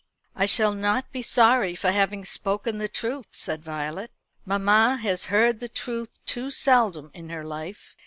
"I shall not be sorry for having spoken the truth," said Violet. "Mamma has heard the truth too seldom in her life.